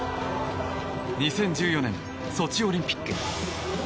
２０１４年ソチオリンピック。